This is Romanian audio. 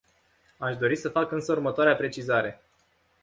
Aș dori să fac însă următoarea precizare.